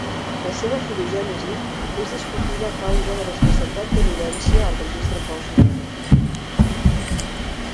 La seva filogènesi és discutida a causa de l'escassetat d'evidència al registre fòssil.